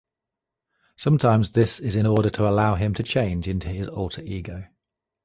Sometimes this is in order to allow him to change into his alter ego.